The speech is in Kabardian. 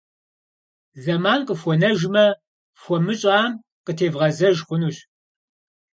Зэман кьыфхуэнэжмэ, фхуэмыщӏам къытевгъэзэж хъунущ.